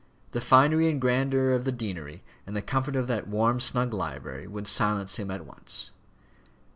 The finery and grandeur of the deanery, and the comfort of that warm, snug library, would silence him at once.